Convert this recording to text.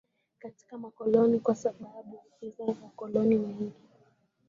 katika makoloni Kwa sababu hizo wakoloni wengi